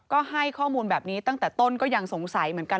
ก็ให้ข้อมูลแบบนี้ตั้งแต่ต้นก็ยังสงสัยเหมือนกัน